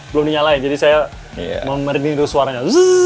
belum dinyalain jadi saya memerlindungi suaranya